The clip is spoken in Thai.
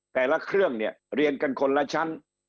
แต่ละเครื่องเนี่ยเรียนกันคนละชั้น